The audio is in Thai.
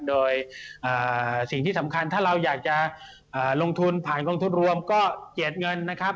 โดยสิ่งที่สำคัญถ้าเราอยากจะลงทุนผ่านกองทุนรวมก็เจียดเงินนะครับ